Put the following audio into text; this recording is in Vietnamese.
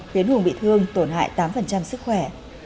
khiến hùng bị thương tổn hại tám sức khỏe